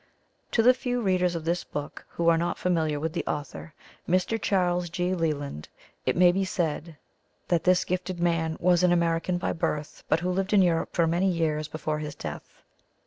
To the few readers of this book who are not familiar with the author, Mr. Charles G. Leland, it may be said that this gifted man was an American by birth, but who lived in Europe for many years before his death.